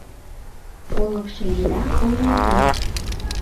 Олыкшо еда олмапу.